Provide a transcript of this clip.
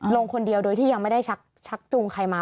ลงคนเดียวโดยที่ยังไม่ได้ชักจูงใครมา